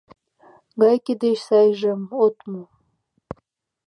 Гайке деч сайжым от му...